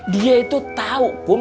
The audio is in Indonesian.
dia itu tau kum